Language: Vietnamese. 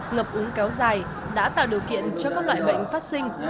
ngập úng kéo dài đã tạo điều kiện cho các loại bệnh phát sinh